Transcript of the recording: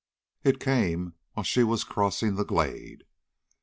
It came while she was crossing the glade.